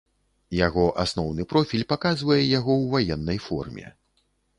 Яго асноўны профіль паказвае яго ў ваеннай форме.